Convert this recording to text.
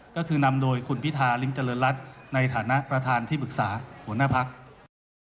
ก็คือนำโดยคุณพิธาริมเจริญรัฐในฐานะประธานที่ปรึกษาหัวหน้าพัก